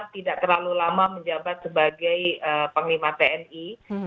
tidak terlalu lama menjabat sebagai panglima tni